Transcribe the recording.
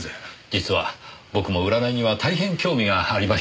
実は僕も占いには大変興味がありましてね。